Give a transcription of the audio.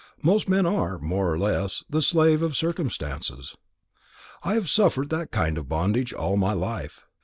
Most men are, more or less, the slave of circumstances. I have suffered that kind of bondage all my life.